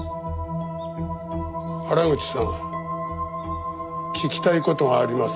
原口さん聞きたい事があります。